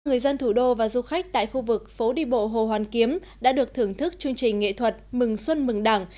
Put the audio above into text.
người dân thủ đô và du khách tại khu vực phố đi bộ hồ hoàn kiếm đã được thưởng thức chương trình nghệ thuật mừng xuân mừng đảng